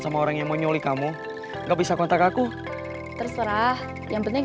sama orang yang menyulik kamu nggak bisa kontak aku terserah yang penting